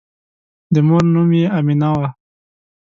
د مور نوم یې آمنه وه.